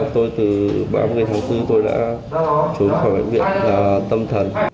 tôi từ ba mươi tháng bốn tôi đã trốn khỏi bệnh viện tâm thần